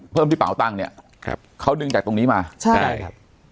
ที่เป๋าตังค์เนี่ยครับเขาดึงจากตรงนี้มาใช่ครับ